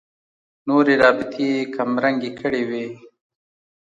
نورې رابطې یې کمرنګې کړې وي.